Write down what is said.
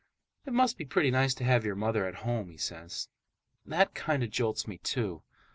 "It must be pretty nice to have your mother at home," he says. That kind of jolts me, too.